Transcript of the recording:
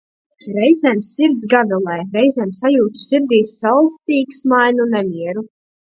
Reizēm sirds gavilē, reizēm sajūtu sirdī saldtīksmainu nemieru.